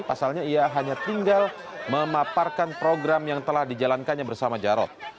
pasalnya ia hanya tinggal memaparkan program yang telah dijalankannya bersama jarod